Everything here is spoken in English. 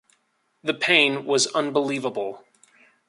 The pain was unbelievable.